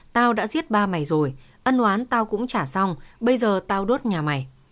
tao đã giết ba mày rồi ân oán tao cũng trả xong bây giờ tao đốt nhà mày